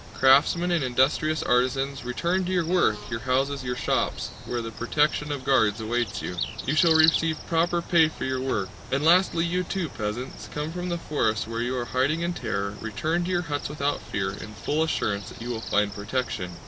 Craftsmen and industrious artisans, return to your work, your houses, your shops, where the protection of guards awaits you! You shall receive proper pay for your work. And lastly you too, peasants, come from the forests where you are hiding in terror, return to your huts without fear, in full assurance that you will find protection!